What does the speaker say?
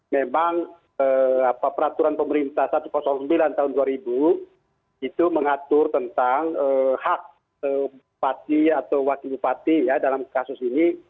memang peraturan pemerintah satu ratus sembilan tahun dua ribu itu mengatur tentang hak bupati atau wakil bupati ya dalam kasus ini